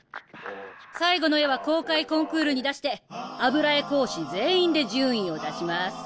最後の絵は公開コンクールに出して油絵講師全員で順位を出します。